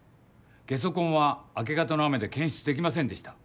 下足痕は明け方の雨で検出できませんでした。